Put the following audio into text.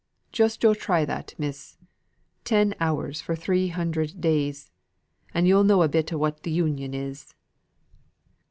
just yo' try that, miss ten hours for three hundred days, and yo'll know a bit what the Union is."